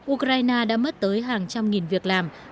ukraine đã mất tới hàng trăm nghìn việc làm